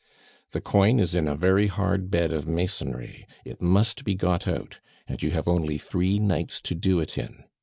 "The coin is in a very hard bed of masonry. It must be got out, and you have only three nights to do it in.